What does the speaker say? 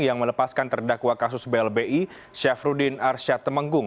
yang melepaskan terdakwa kasus blbi syafruddin arsyad temenggung